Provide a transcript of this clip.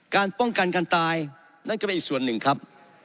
การป้องกันการตายนั่นก็เป็นอีกส่วนหนึ่งครับ